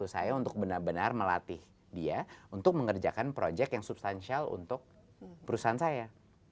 saya sudah berusaha untuk melatih dia untuk mengerjakan proyek yang substansial untuk perusahaan saya